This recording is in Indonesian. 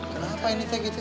kenapa ini teh